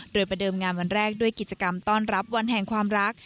โดยประเดิมงานวันแรกด้วยกิจกรรมต้อนรับวันแห่งความรัก